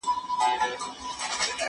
زه پرون شګه پاکوم؟!